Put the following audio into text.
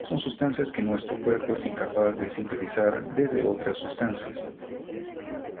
Son sustancias que nuestro cuerpo es incapaz de sintetizar desde otras sustancias.